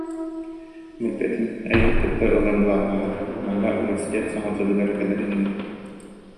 Билбэтим, эйигин кытта ылар былааннаах этим, манна университет Саҥа дьылыгар кэлэр инигин